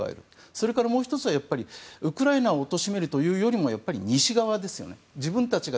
それからもう１つはウクライナを貶めるというよりも西側ですよね。